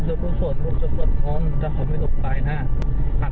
ใครมาตามหนูอ่ะที่หลังฝนอ่ะไหนอ่ะตรงนี้ข้างหลัง